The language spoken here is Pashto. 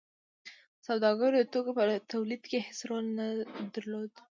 سوداګرو د توکو په تولید کې هیڅ رول نه درلود.